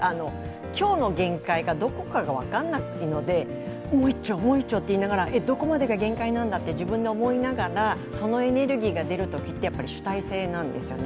今日の限界がどこかは分かんないのでもう一超、もう一超と言いながら、どこまでが限界なんだと自分で思いながらそのエネルギーが出るときってやっぱり主体性なんですよね。